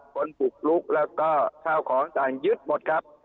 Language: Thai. คนบุกลุกแล้วก็ข้าวของต่างยึดหมดครับ